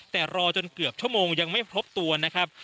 แต่รอจนเกือบชั่วโมงยังไม่พบตัวนะครับ